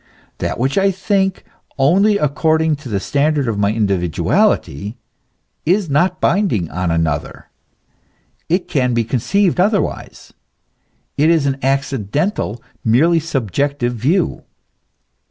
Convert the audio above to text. That which I think only according to the standard of my individuality, is not binding on another, it can be conceived otherwise, it is an accidental, merely subjective view.